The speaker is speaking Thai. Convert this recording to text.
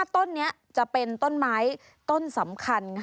ต้นนี้จะเป็นต้นไม้ต้นสำคัญ